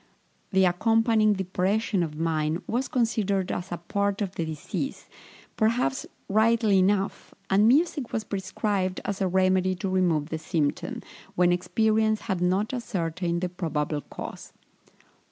The accompanying depression of mind was considered as a part of the disease, perhaps rightly enough, and music was prescribed as a remedy to remove the symptom, when experience had not ascertained the probable cause.